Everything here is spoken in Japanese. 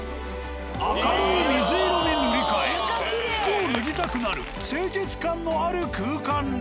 明るい水色に塗り替え服を脱ぎたくなる清潔感のある空間に。